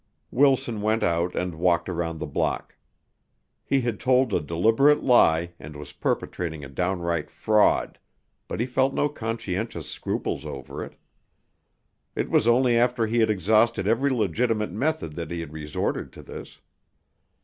Wilson went out and walked around the block. He had told a deliberate lie and was perpetrating a downright fraud, but he felt no conscientious scruples over it. It was only after he had exhausted every legitimate method that he had resorted to this.